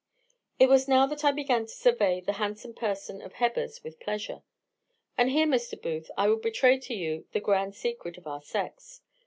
"It was now that I began to survey the handsome person of Hebbers with pleasure. And here, Mr. Booth, I will betray to you the grand secret of our sex.